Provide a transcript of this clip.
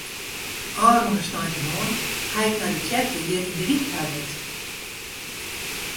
Ofrûne sneintemoarn haw ik nei de tsjerke hjir yn de wyk ta west.